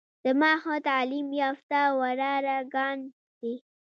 زما ښه تعليم يافته وراره ګان دي.